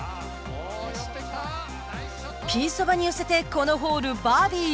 ピンそばに寄せてこのホール、バーディー。